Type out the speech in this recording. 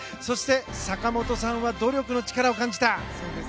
そして坂本さんは努力の力を感じた。